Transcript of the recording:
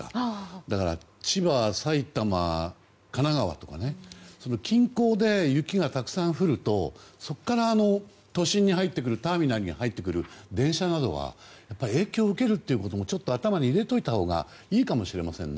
だから、千葉、埼玉、神奈川とか近郊で雪がたくさん降るとそこから都心のターミナルに入ってくる電車などはやっぱり影響を受けることも頭に入れておいたほうがいいかもしれないですね。